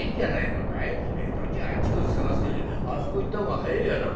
江戸中あっちこち探すよりあそこ行った方が早えやな」。